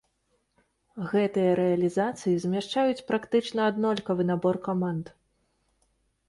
Гэтыя рэалізацыі змяшчаюць практычна аднолькавы набор каманд.